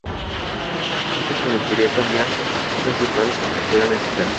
Esto permitiría cambiar al actor principal cuando fuera necesario.